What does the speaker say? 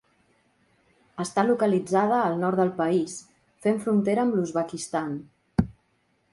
Està localitzada al nord del país, fent frontera amb l'Uzbekistan.